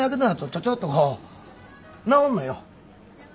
ちょちょっと治んのよ。